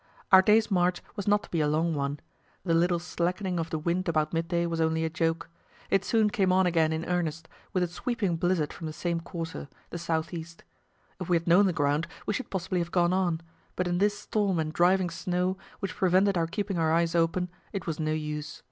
Our day's march was not to be a long one; the little slackening of the wind about midday was only a joke. It soon came on again in earnest, with a sweeping blizzard from the same quarter the south east. If we had known the ground, we should possibly have gone on; but in this storm and driving snow, which prevented our keeping our eyes open, it was no use.